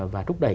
và thúc đẩy